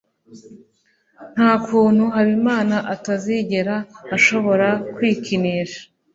nta kuntu habimana atazigera ashobora kwikinisha